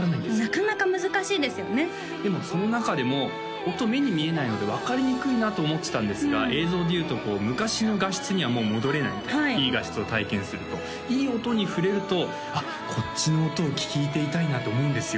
なかなか難しいですよねでもその中でも音目に見えないので分かりにくいなと思ってたんですが映像でいうとこう昔の画質にはもう戻れないみたいないい画質を体験するといい音に触れるとあっこっちの音を聴いていたいなって思うんですよ